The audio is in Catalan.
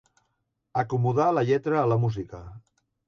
Acomodar la lletra a la música.